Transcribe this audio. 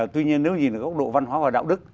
tuy nhiên nếu nhìn được góc độ văn hóa và đạo đức